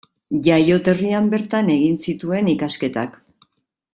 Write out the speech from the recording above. Jaioterrian bertan egin zituen ikasketak.